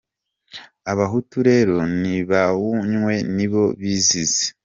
Abahutu rero nibawunywe nibo bizize !